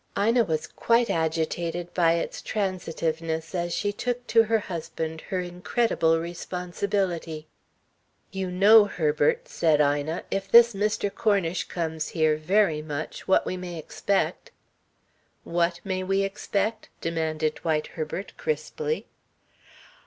Ina was quite agitated by its transitiveness as she took to her husband her incredible responsibility. "You know, Herbert," said Ina, "if this Mr. Cornish comes here very much, what we may expect." "What may we expect?" demanded Dwight Herbert, crisply.